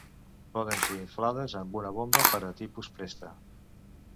Poden ser inflades amb una bomba per a tipus Presta.